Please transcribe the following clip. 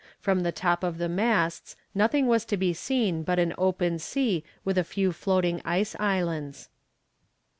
From the top of the masts nothing was to be seen but an open sea with a few floating ice islands.